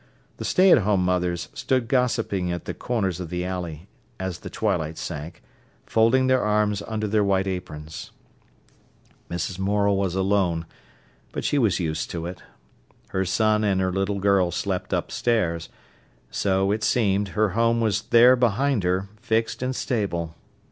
The stay at home mothers stood gossiping at the corners of the alley, as the twilight sank, folding their arms under their white aprons. Mrs. Morel was alone, but she was used to it. Her son and her little girl slept upstairs; so, it seemed, her home was there behind her, fixed and stable.